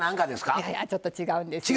いやいやちょっと違うんですよ。